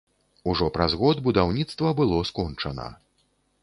Ужо праз год будаўніцтва было скончана.